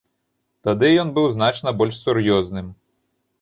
Тады ён быў значна больш сур'ёзным.